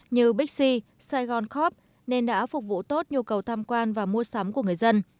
như big c saigon corp nên đã phục vụ tốt nhu cầu tham quan và mua sắm của người dân